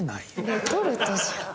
レトルトじゃん。